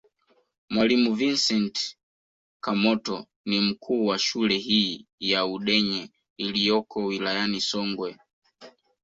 Mwalimu Vincent Kamoto ni mkuu wa shule hii ya Udenye iliyoko wilayani Songwe